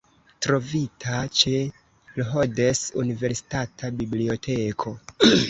Trovita ĉe Rhodes Universitata Biblioteko.